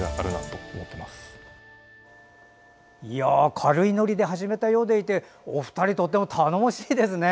軽いノリで始めたようでいてお二人、とても頼もしいですね。